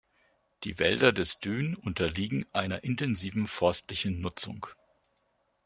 Die Wälder des Dün unterliegen einer intensiven forstlichen Nutzung.